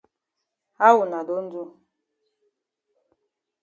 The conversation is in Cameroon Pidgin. How wuna don do?